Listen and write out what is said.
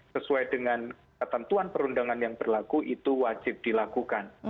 sesuai dengan ketentuan perundangan yang berlaku itu wajib dilakukan